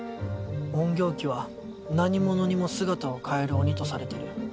隠形鬼は何者にも姿を変える鬼とされてる。